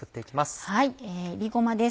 はい炒りごまです。